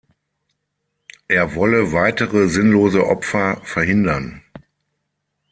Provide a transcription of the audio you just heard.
Er wolle weitere sinnlose Opfer verhindern.